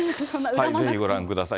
ぜひご覧ください。